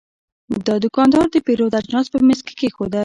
دا دوکاندار د پیرود اجناس په میز کې کېښودل.